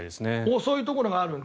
遅いところがあると。